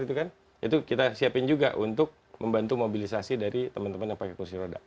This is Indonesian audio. itu kita siapin juga untuk membantu mobilisasi dari teman teman yang pakai kursi roda